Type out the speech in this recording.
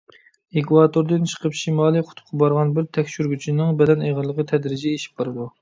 ئېكۋاتوردىن چىقىپ شىمالىي قۇتۇپقا بارغان بىر تەكشۈرگۈچىنىڭ بەدەن ئېغىرلىقى تەدرىجىي ئېشىپ بارىدۇ.